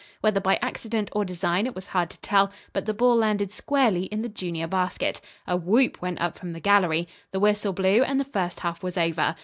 Whether by accident or design it was hard to tell, but the ball landed squarely in the junior basket. A whoop went up from the gallery. The whistle blew and the first half was over.